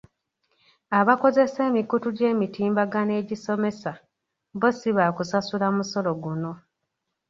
Abakozesa emikutu gy’emitimbagano egisomesa, bbo si baakusasula musolo guno.